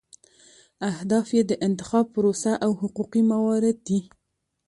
اهداف یې د انتخاب پروسه او حقوقي موارد دي.